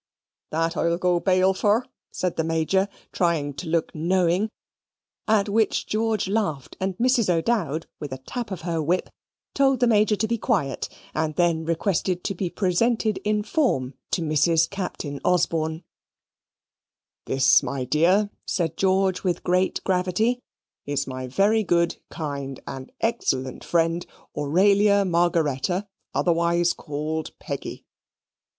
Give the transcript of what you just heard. "That I'll go bail for," said the Major, trying to look knowing, at which George laughed; and Mrs. O'Dowd, with a tap of her whip, told the Major to be quiet; and then requested to be presented in form to Mrs. Captain Osborne. "This, my dear," said George with great gravity, "is my very good, kind, and excellent friend, Auralia Margaretta, otherwise called Peggy."